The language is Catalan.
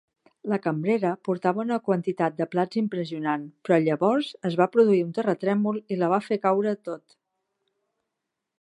La cambrera portava una quantitat de plats impressionant, però llavors es va produir un terratrèmol i la va fer caure tot.